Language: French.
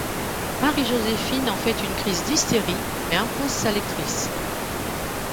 Marie-Joséphine en fait une crise d'hystérie mais impose sa lectrice.